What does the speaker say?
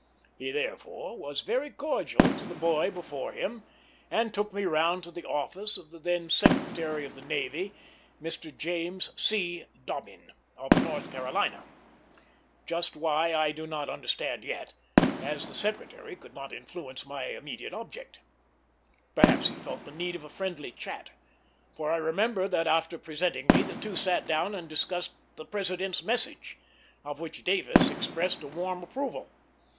He therefore was very cordial to the boy before him, and took me round to the office of the then Secretary of the Navy, Mr. James C. Dobbin, of North Carolina; just why I do not understand yet, as the Secretary could not influence my immediate object. Perhaps he felt the need of a friendly chat; for I remember that, after presenting me, the two sat down and discussed the President's Message, of which Davis expressed a warm approval.